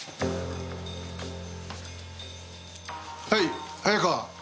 はい早川。